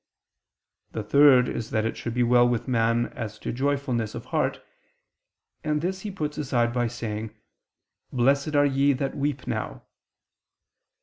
The third is that it should be well with man as to joyfulness of heart, and this he puts aside by saying: "Blessed are ye that weep now."